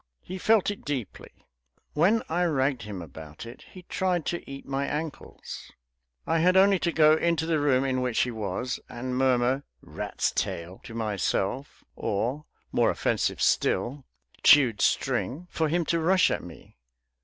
He felt it deeply. When I ragged him about it he tried to eat my ankles. I had only to go into the room in which he was, and murmur, "Rat's tail," to myself, or (more offensive still) "Chewed string," for him to rush at me.